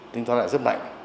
tính toán lại rất mạnh